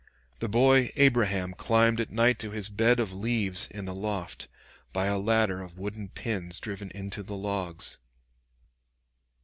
The boy Abraham climbed at night to his bed of leaves in the loft, by a ladder of wooden pins driven into the logs.